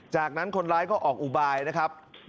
จากนั้นคนร้ายก็ออกอุบายนะครับ